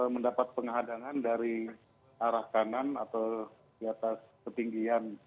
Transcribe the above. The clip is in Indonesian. mendapat penghadangan dari arah kanan atau di atas ketinggian